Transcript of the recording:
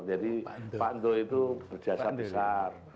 jadi pak do itu berjasak besar